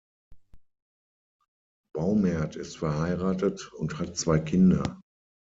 Baumert ist verheiratet und hat zwei Kinder.